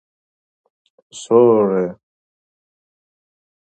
It is also home of one of the most dramatic sunsets in New England.